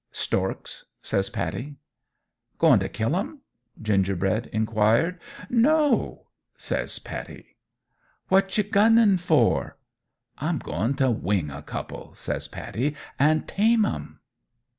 "Storks," says Pattie. "Goin' t' kill 'em?" Gingerbread inquired. "No," says Pattie. "What's your gun for?" "I'm goin' t' wing a couple," says Pattie, "an' tame 'em."